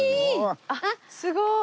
すごい！